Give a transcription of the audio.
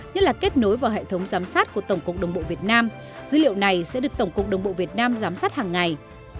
nhất là kết nối vào hệ thống giám sát của tổng cục đồng bộ việt nam dữ liệu này sẽ được tổng cục đồng bộ việt nam giám sát hàng ngày